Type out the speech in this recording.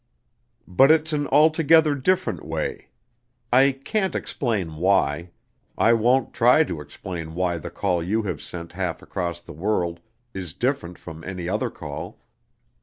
But it's an altogether different way. I can't explain why. I won't try to explain why the call you have sent half across the world is different from any other call.